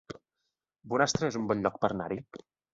Bonastre es un bon lloc per anar-hi